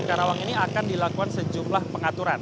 di karawang ini akan dilakukan sejumlah pengaturan